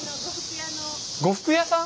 呉服屋さん？